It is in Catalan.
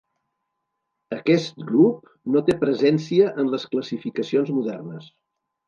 Aquest grup no té presència en les classificacions modernes.